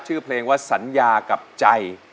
ชื่อเพลงว่าสัญญากับใจ